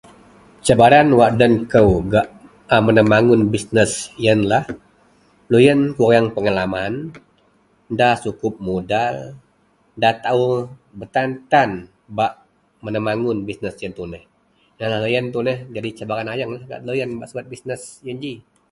cabaran wak den kou gak a menemagun bisness ienlah, loyien kurang pengalaman, da sukup modal, da taau betan tan bak menemagun bisness ien tuneh, ienlah loyien tuneh jadi cabaran ayeng gak loyien bak subet bisness yen ji